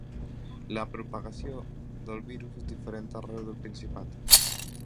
La propagació del virus és diferent arreu del Principat.